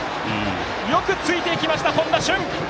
よくついていきました、本多駿！